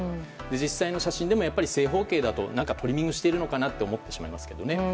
実際の写真でも正方形だとトリミングしてるのかなと思ってしまいますけどね。